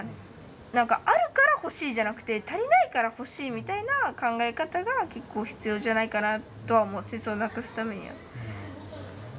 何か「あるから欲しい」じゃなくて「足りないから欲しい」みたいな考え方が結構必要じゃないかなとは思う戦争をなくすためには。